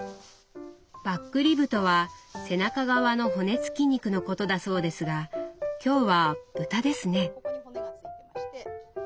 バックリブとは背中側の骨付き肉のことだそうですが今日は豚ですね。